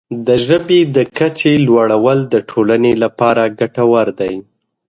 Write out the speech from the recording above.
د ژبې د کچې لوړول د ټولنې لپاره ګټور دی.